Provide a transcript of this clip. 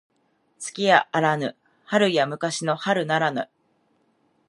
月やあらぬ春や昔の春ならぬ